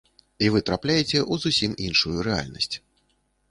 І вы трапляеце ў зусім іншую рэальнасць.